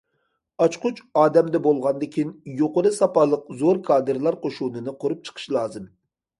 ئاچقۇچ ئادەمدە بولغاندىكىن، يۇقىرى ساپالىق زور كادىرلار قوشۇنىنى قۇرۇپ چىقىش لازىم.